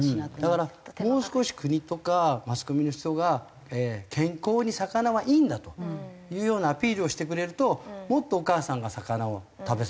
だからもう少し国とかマスコミの人が健康に魚はいいんだというようなアピールをしてくれるともっとお母さんが魚を食べさせる。